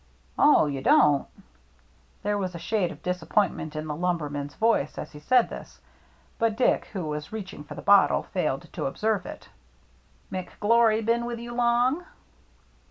" Oh, you don't ?" There was a shade of disappointment in the lumberman's voice as he said this, but Dick, who was reaching for the bottle, failed to observe it. " McGlory been with you long